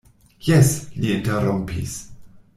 Jes, li interrompis.